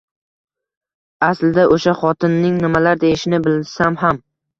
Aslida o`sha xotinning nimalar deyishini bilsam ham